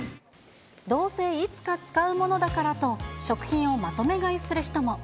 どうせいつか使うものだからと、食品をまとめ買いする人も。